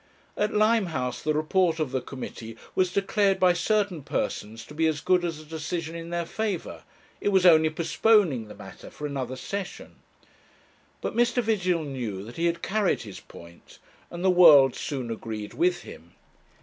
At Limehouse the report of the committee was declared by certain persons to be as good as a decision in their favour; it was only postponing the matter for another session. But Mr. Vigil knew that he had carried his point, and the world soon agreed with him.